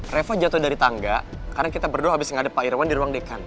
revo jatuh dari tangga karena kita berdoa habis ngadep pak irwan di ruang dekan